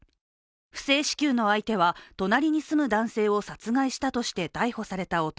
不正支給の相手は隣に住む男性を殺害したとして逮捕された男。